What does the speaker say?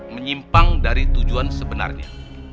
menyimpang dari tujuan sebenarnya